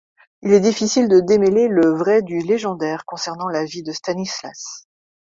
Il est difficile de démêler le vrai du légendaire concernant la vie de Stanislas.